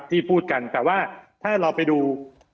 พูดกันแต่ว่าถ้าเราไปดู